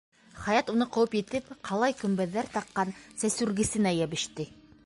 Хаят уны ҡыуып етеп, ҡалай көмбәҙҙәр таҡҡан сәсүргесенә йәбеште.